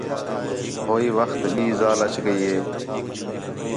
ہوئی وخت ٻئی ذال اَچ ڳئی ہِے